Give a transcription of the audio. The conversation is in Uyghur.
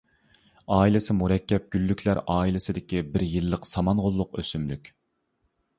ئائىلىسى مۇرەككەپ گۈللۈكلەر ئائىلىسىدىكى بىر يىللىق سامان غوللۇق ئۆسۈملۈك.